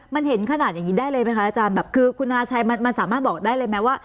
มันเห็นขนาดนี้ได้เลยไหมคะอาจารย์แบบคือคุณธนาชัยมันสามารถบอกได้เลยไหมว่า